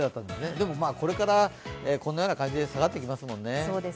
でも、これからこのような感じで下がってきますもんね。